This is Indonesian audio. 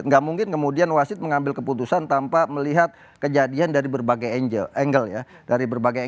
nggak mungkin kemudian wasid mengambil keputusan tanpa melihat kejadian dari berbagai angle ya